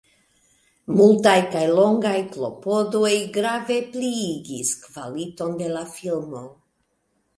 Multaj kaj longaj klopodoj grave pliigis kvaliton de la filmo.